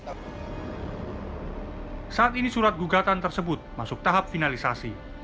saat ini surat gugatan tersebut masuk tahap finalisasi